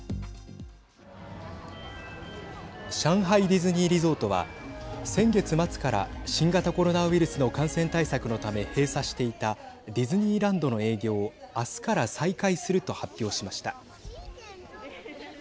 ディズニーリゾートは先月末から新型コロナウイルスの感染対策のため閉鎖していたディズニーランドの営業を明日から再開すると発表しました。